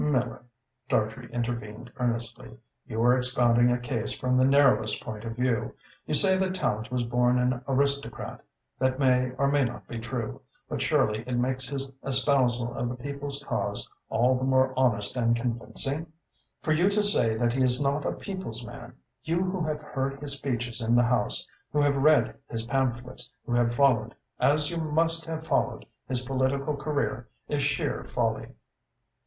"Miller," Dartrey intervened earnestly, "you are expounding a case from the narrowest point of view. You say that Tallente was born an aristocrat. That may or may not be true, but surely it makes his espousal of the people's cause all the more honest and convincing? For you to say that he is not a people's man, you who have heard his speeches in the house, who have read his pamphlets, who have followed, as you must have followed, his political career is sheer folly."